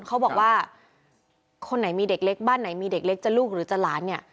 เขาบอกว่าคนไหนมีเด็กเล็กบ้านไหนมีเด็กเล็กจะลูกหรือจะหลานเนี่ย